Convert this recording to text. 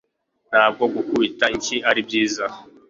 Ntabwo gukubita inshyi aribyiza